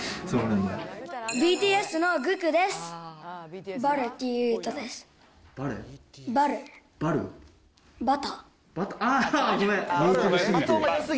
ＢＴＳのグクです。